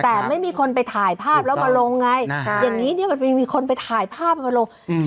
แต่ไม่มีคนไปถ่ายภาพแล้วมาลงไงอย่างนี้เนี่ยมันมีคนไปถ่ายภาพมาลงอืม